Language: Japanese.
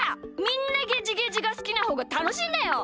みんなゲジゲジがすきなほうがたのしいんだよ！